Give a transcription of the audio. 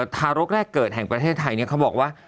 ทารกแรกเกิดแห่งประเทศไทยเขาบอกว่า